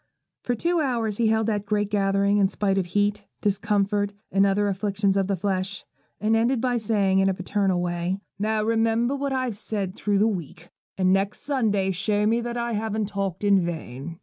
For two hours he held that great gathering, in spite of heat, discomfort, and other afflictions of the flesh, and ended by saying, in a paternal way, 'Now remember what I've said through the week, and next Sunday show me that I haven't talked in vain.'